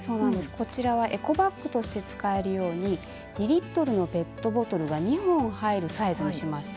こちらはエコバッグとして使えるように２リットルのペットボトルが２本入るサイズにしました。